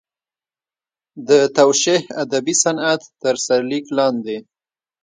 د توشیح ادبي صنعت تر سرلیک لاندې.